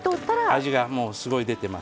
味が、もうすごい出てます。